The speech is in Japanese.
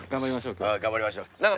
頑張りましょう今日。